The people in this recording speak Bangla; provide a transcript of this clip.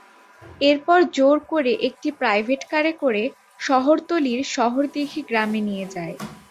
এরপর জোর করে একটি প্রাইভেট কারে করে শহরতলির শহরদীঘি গ্রামে নিয়ে যায়।